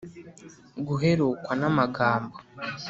guherukwa n amagambo